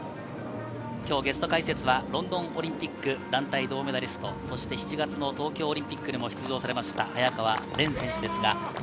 今日ゲスト解説はロンドンオリンピック団体銅メダリスト、そして７月の東京オリンピックでも出場されました早川漣選手です。